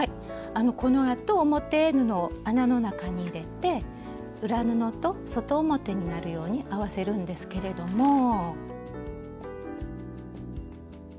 このあと表布を穴の中に入れて裏布と外表になるように合わせるんですけれども。